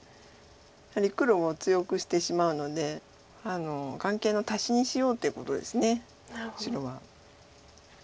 やはり黒を強くしてしまうので眼形の足しにしようっていうことです白は。